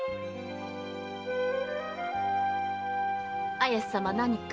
綾瀬様何か？